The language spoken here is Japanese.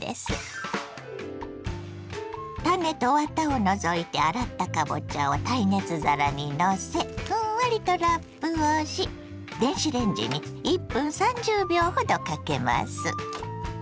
種とワタを除いて洗ったかぼちゃを耐熱皿にのせふんわりとラップをし電子レンジに１分３０秒ほどかけます。